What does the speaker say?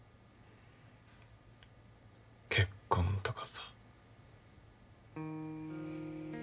結婚とかさ。